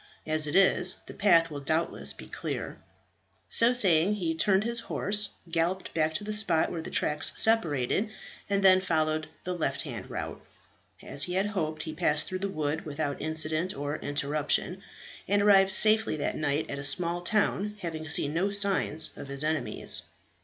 As it is, the path will doubtless be clear." So saying, he turned his horse, galloped back to the spot where the tracks separated, and then followed the left hand route. As he had hoped, he passed through the wood without incident or interruption, and arrived safely that night at a small town, having seen no signs of his enemies.